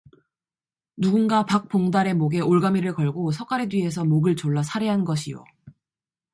누군가 박봉달의 목에 올가미를 걸고 서까래 뒤에서 목을 졸라 살해한 것이요